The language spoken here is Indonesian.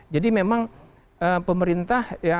jadi memang pemerintah